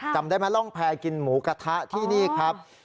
จำได้ไหมร่องแพรกินหมูกระทะที่นี่ครับ